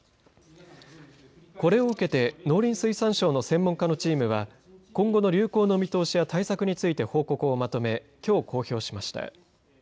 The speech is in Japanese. これを受けて農林水産省の専門家のチームは今後の流行の見通しや対策について報告をまとめきょう公表しました。